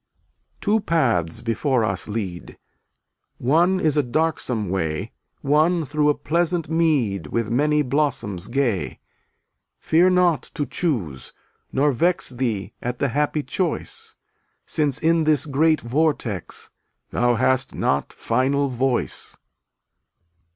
280 Two paths before us lead; One is a darksome way, One through a pleasant mead With many blossoms gay. Fear not to choose, nor vex Thee at the happy choice, Since in this great vortex Thou hast not final voice.